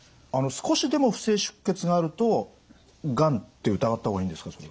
少しでも不正出血があるとがんって疑った方がいいんでしょうか？